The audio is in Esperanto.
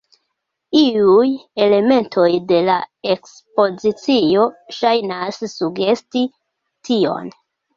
Iuj elementoj de la ekspozicio ŝajnas sugesti tion.